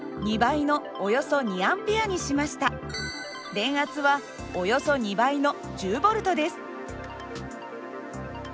電圧はおよそ２倍の１０Ｖです。